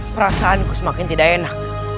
perasaanku semakin tidak enak